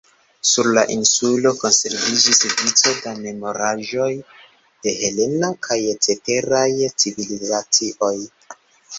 Sur la insulo konserviĝis vico da memoraĵoj de helena kaj ceteraj civilizacioj.